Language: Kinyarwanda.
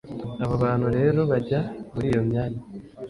Abo bantu rero bajya muri iyo myanya